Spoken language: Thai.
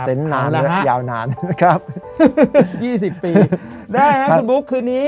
เซ็นต์นานแล้วยาวนานนะครับยี่สิบปีได้แล้วครับคุณพุกคืนนี้